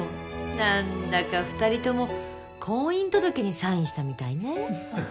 何だか２人とも婚姻届にサインしたみたいね。